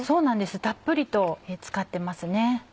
たっぷりと使ってますね。